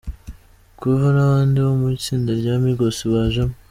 Quavo n’abandi bo mu itsinda rya Migos bajemo.